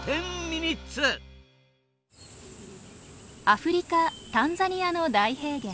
アフリカタンザニアの大平原。